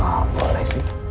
ah apaan ini